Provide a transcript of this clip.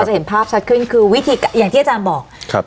จะเห็นภาพชัดขึ้นคือวิธีอย่างที่อาจารย์บอกครับ